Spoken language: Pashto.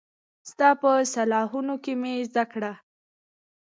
ستا په ساحلونو کې مې زده کړه